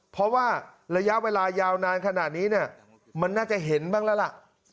เพราะว่าระยะเวลายาวนานขนาดนี้เนี่ยมันน่าจะเห็นบ้างแล้วล่ะ